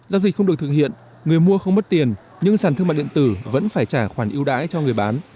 giao dịch không được thực hiện người mua không mất tiền nhưng sản thương mại điện tử vẫn phải trả khoản yêu đãi cho người bán